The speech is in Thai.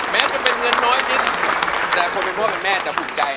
แม้จะเป็นเงินน้อยนิดแต่คนเป็นพ่อเป็นแม่จะภูมิใจ